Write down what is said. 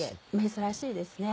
珍しいですね。